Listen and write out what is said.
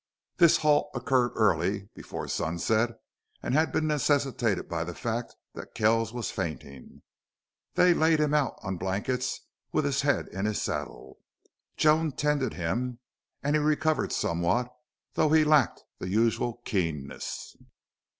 This halt occurred early, before sunset, and had been necessitated by the fact that Kells was fainting. They laid him out on blankets, with his head in his saddle. Joan tended him, and he recovered somewhat, though he lacked the usual keenness.